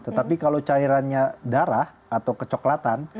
tetapi kalau cairannya darah atau kecoklatan